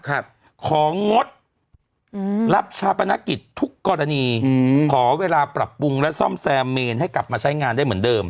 ของงดอืมรับชาปนกิจทุกกรณีอืมขอเวลาปรับปรุงและซ่อมแซมเมนให้กลับมาใช้งานได้เหมือนเดิม